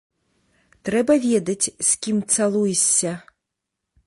Трэба ведаць, з кім цалуешся.